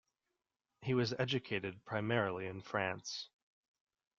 He was educated primarily in France.